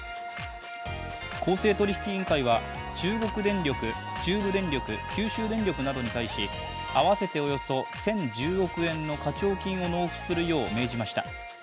公正取引委員会は、中国電力、中部電力、九州電力などに対し合わせておよそ１０１０億円の課徴金を納付するよう命じました。